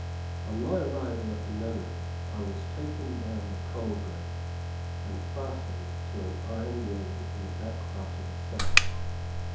On my arrival at the nunnery I was taken down the coal grate, and fastened to an iron ring in the back part of a cell.